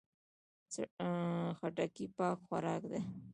خټکی پاک خوراک دی.